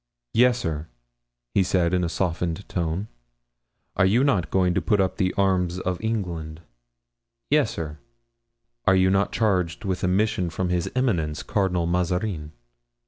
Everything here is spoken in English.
"Yes, sir," he said, in a softened tone. "Are you not going to put up at the 'Arms of England'?" "Yes, sir." "Are you not charged with a mission from his eminence, Cardinal Mazarin?"